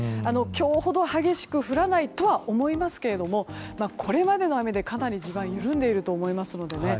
今日ほど激しく降らないとは思いますけどもこれまでの雨でかなり地盤が緩んでいると思いますのでね